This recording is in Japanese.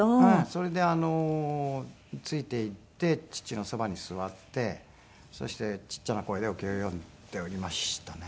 それでついていって父のそばに座ってそしてちっちゃな声でお経を読んでおりましたね。